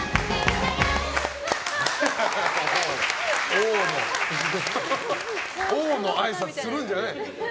王のあいさつするんじゃない。